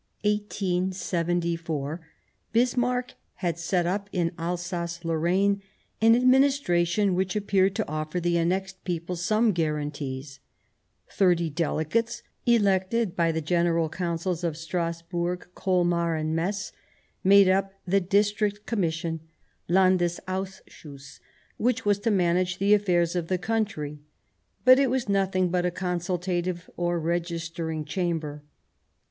In this same year, 1874, Bismarck had set up in Alsace Lorraine an administration which appeared to offer the annexed people some guarantees : thirty Delegates, elected by the general Councils of Stras burg, Colmar and Metz, made up the district Com mission — Landesausschuss — ^which was to manage the affairs of the country ; but it was nothing but a consultative or registering chamber.